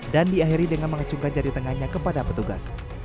dan diakhiri dengan mengecungkan jari tengahnya kepada petugas